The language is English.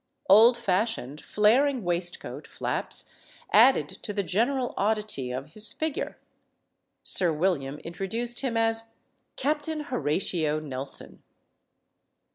Old fashioned, flaring waistcoat flaps added to the general oddity of his figure. Sir William introduced him as "Captain Horatio Nelson."